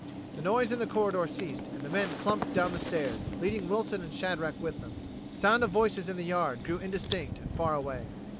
The noise in the corridor ceased, and the men clumped down the stairs, leading Wilson and Shadrack with them. The sound of voices in the yard grew indistinct and far away.